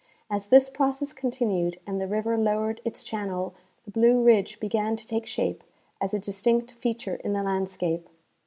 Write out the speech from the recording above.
As this process continued and the river lowered its channel the Blue ridge began to take shape as a distinct feature in the land scape.